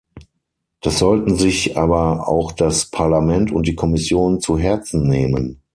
Das sollten sich aber auch das Parlament und die Kommission zu Herzen nehmen.